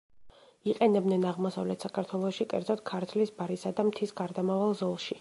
იყენებდნენ აღმოსავლეთ საქართველოში, კერძოდ, ქართლის ბარისა და მთის გარდამავალ ზოლში.